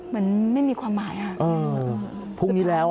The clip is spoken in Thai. ไม่มีความหมายค่ะพรุ่งนี้แล้ว